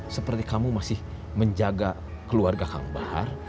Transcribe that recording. seperti kamu masih menjaga keluarga kang bahar